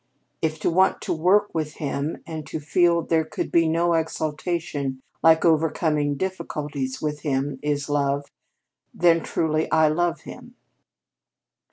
If to want to work with him, and to feel there could be no exultation like overcoming difficulties with him, is love, then truly I love him.